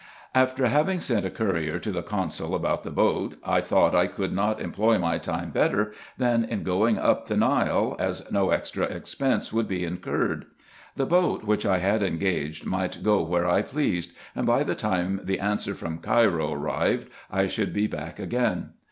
After having sent a courier to the consul about the boat, I thought I could not employ my time better than in going up the Nile, as no IN EGYPT, NUBIA, &c 5.5 extra expense would be incurred. The boat which I had engaged might go where I pleased ; and, by the time the answer from Cairo arrived, I should be back again.